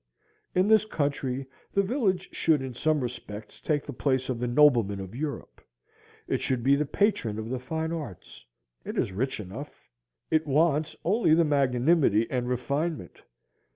In this country, the village should in some respects take the place of the nobleman of Europe. It should be the patron of the fine arts. It is rich enough. It wants only the magnanimity and refinement.